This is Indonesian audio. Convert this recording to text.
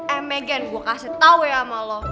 eh megan gue kasih tau ya ama lo